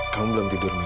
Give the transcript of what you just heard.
kamu belum tidur mila